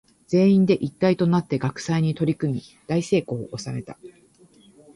全員で一体となって学祭に取り組み大成功を収めた。